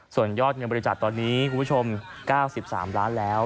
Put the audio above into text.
ส่วนยอดเงินบริจาคตอนนี้คุณผู้ชม๙๓ล้านแล้ว